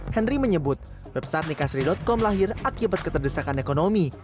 henry menyebut website nikasiri com lahir akibat keterdesakan ekonomi